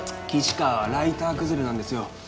岸川はライターくずれなんですよ